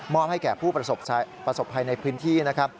ให้แก่ผู้ประสบภัยในพื้นที่นะครับ